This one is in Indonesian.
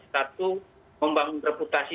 satu membangun reputasi